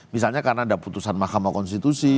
misalnya karena ada putusan mahkamah konstitusi